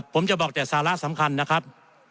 ผมจะบอกแต่สาระสำคัญนะครับ